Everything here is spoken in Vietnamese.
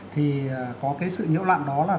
thì có cái sự nhiễu loạn đó là